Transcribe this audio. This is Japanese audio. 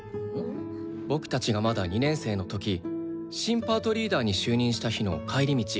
僕たちがまだ２年生の時新パートリーダーに就任した日の帰り道。